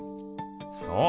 そう。